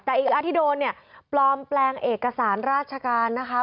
แต่อีกอันที่โดนเนี่ยปลอมแปลงเอกสารราชการนะคะ